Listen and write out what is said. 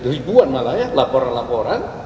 ribuan malah ya laporan laporan